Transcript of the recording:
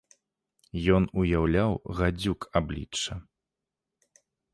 Ён уяўляў гадзюк аблічча.